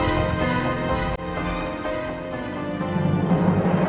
riza kita langsung ke rumah sakit ya